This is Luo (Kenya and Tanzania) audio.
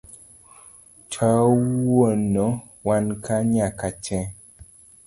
Tawuono wanka nyaka che.